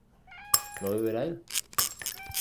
¿no beberá él?